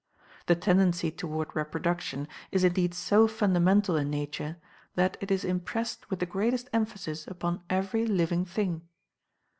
The tendency toward reproduction is indeed so fundamental in Nature that it is impressed with the greatest emphasis upon every living thing.